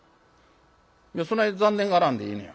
「そない残念がらんでええねや。